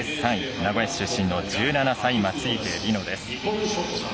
名古屋市出身の１７歳松生理乃です。